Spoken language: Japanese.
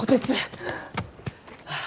ああ。